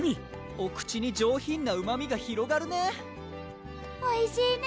お口に上品なうまみが広がるねおいしいね